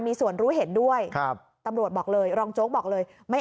มีส่วนรู้เห็นด้วยครับตำรวจบอกเลยรองโจ๊กบอกเลยไม่